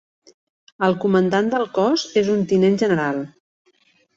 El comandant del cos és un tinent general.